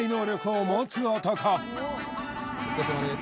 お疲れさまです